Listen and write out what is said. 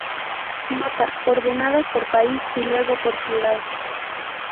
Nota: ordenadas por país y luego por ciudad.